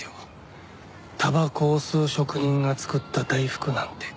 たばこを吸う職人が作った大福なんて。